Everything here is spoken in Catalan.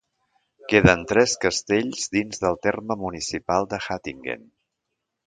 Queden tres castells dins del terme municipal de Hattingen.